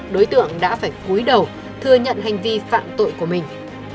đối tượng đã phải cuối đầu thừa nhận hành vi phạm tội của mình